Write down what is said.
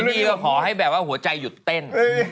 นี่ก็ขอให้แบบว่าหัวใจหยุดเต้น